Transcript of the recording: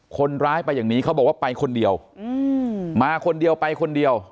คนร้ายไปอย่างนี้เขาบอกว่าไปคนเดียวมาคนเดียวไปคนเดียว